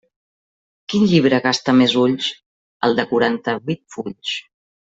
Quin llibre gasta més ulls?: el de quaranta-vuit fulls.